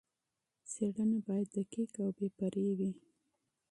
څېړنه باید دقیق او بې پرې وي.